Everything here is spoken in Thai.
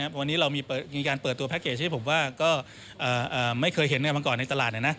วันนี้เรามีการเปิดตัวแพ็คเกจให้ผมว่าก็ไม่เคยเห็นมาก่อนในตลาด